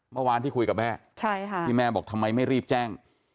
เมื่อวานที่คุยกับแม่ที่แม่บอกทำไมไม่รีบแจ้ง